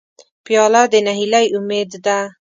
پیاله د نهیلۍ امید ده.